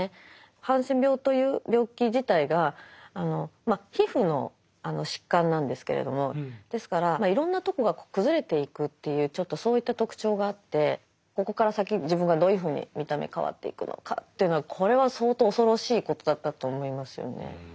ハンセン病という病気自体が皮膚の疾患なんですけれどもですからいろんなとこが崩れていくというちょっとそういった特徴があってここから先自分がどういうふうに見た目変わっていくのかというのはこれは相当恐ろしいことだったと思いますよね。